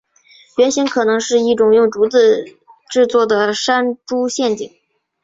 原型可能是一种用竹子制作的山猪陷阱。